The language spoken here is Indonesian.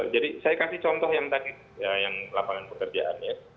jadi saya kasih contoh yang tadi yang lapangan pekerjaannya